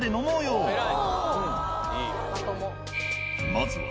まずは。